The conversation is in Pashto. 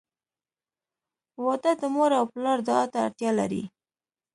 • واده د مور او پلار دعا ته اړتیا لري.